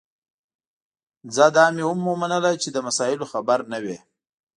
ځه دا مي هم ومنله چي له مسایلو خبر نه وې